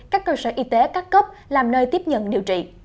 các cơ sở y tế các cấp làm nơi tiếp nhận điều trị